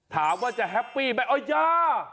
ถามว่าจะแฮปปี้แบบโอ๊ยยา